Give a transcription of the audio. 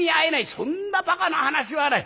そんなバカな話はない。